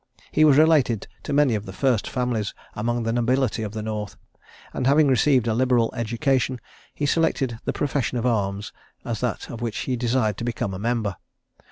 He was related to many of the first families among the nobility of the north; and having received a liberal education, he selected the profession of arms, as that of which he desired to become a member.